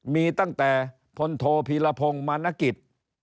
มีตั้งแต่พลโทพีรพงศ์มานกิจ